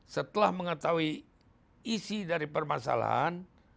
setelah mengetahui isi dari permasalahan